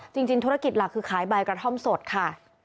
จริงธุรกิจหลักคือขายใบกระท่อมสดค่ะ